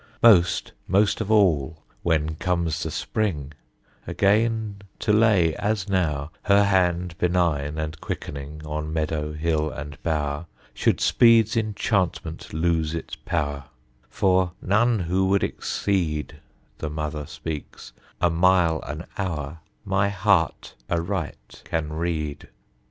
Most, most of all when comes the Spring, Again to lay (as now) Her hand benign and quickening On meadow, hill and bough, Should speed's enchantment lose its power, For "None who would exceed [The Mother speaks] a mile an hour, My heart aright can read."